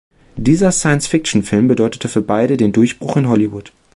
Dieser Science-Fiction-Film bedeutete für beide den Durchbruch in Hollywood.